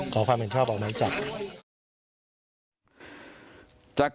กลุ่มตัวเชียงใหม่